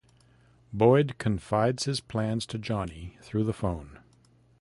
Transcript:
Boyd confides his plans to Johnny through the phone.